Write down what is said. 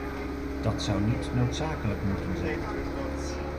Dat zou niet noodzakelijk moeten zijn.